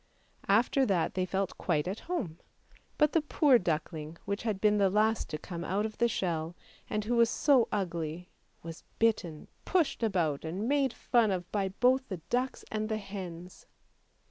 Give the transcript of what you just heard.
" After that thev felt quite at home. But the poor duckling which had been the last to come out of the shell, and who was so ugly, was bitten, pushed about, and made fun of both by the ducks and the hens.